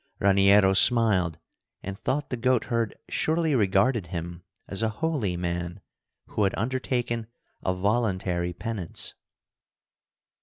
Raniero smiled and thought the goatherd surely regarded him as a holy man who had undertaken a voluntary penance.